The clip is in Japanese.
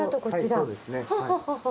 はいそうですね。